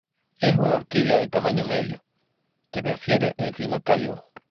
Es una orquídea de tamaño medio, que prefiere el clima cálido.